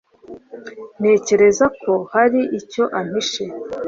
Ntekereza ko hari icyo ampishe.